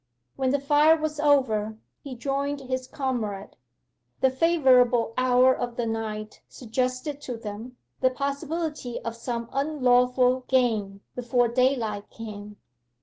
When the fire was over, he joined his comrade. The favourable hour of the night suggested to them the possibility of some unlawful gain before daylight came.